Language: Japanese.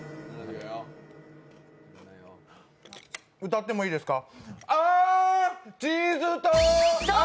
歌ってもいいですか？